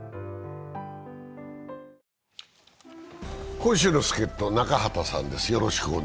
今週の助っと、中畑さんです